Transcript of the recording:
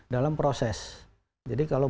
dalam proses jadi kalau